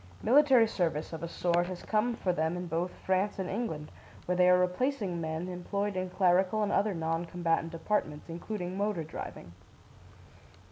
Military service, of a sort, has come for them in both France and England, where they are replacing men employed in clerical and other non combatant departments, including motor driving.